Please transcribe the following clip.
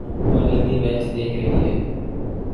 وہ جلدی میچ دیکھ رہی ہے۔